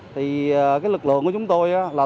thì cái lực lượng của chúng tôi là